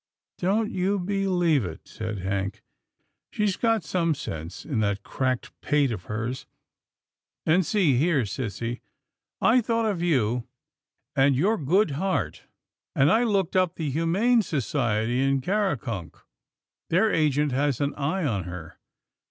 " Don't you believe it," said Hank. " She's got some sense in that cracked pate of hers, and see here, sissy, I thought of you and your good heart, RETURN OF THE TREASURES 205 and I looked up the Humane Society in Karakunk. Their agent has an eye on her.